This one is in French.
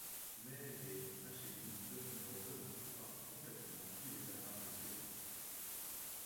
Mais les Hachémites ne représentent pas complètement tous les Arabes de Syrie.